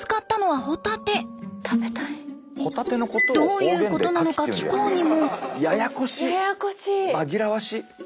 どういうことなのか聞こうにも。